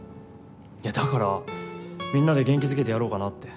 いやだからみんなで元気づけてやろうかなって。